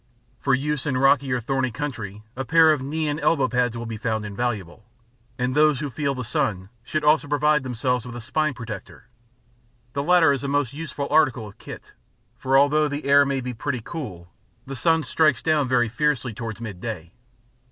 For use in rocky or thorny country, a pair of knee and elbow pads will be found invaluable, and those who feel the sun should also provide themselves with a spine protector. The latter is a most useful article of kit, for although the air may be pretty cool, the sun strikes down very fiercely towards midday.